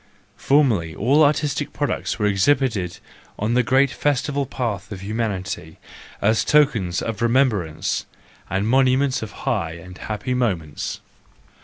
Formerly all artistic products were exhibited on the great festive path of humanity, as tokens of remembrance, and monuments of high and happy moments.